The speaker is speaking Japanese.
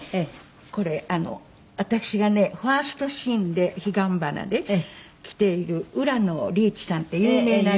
これ私がねファーストシーンで『彼岸花』で着ている浦野理一さんって有名なね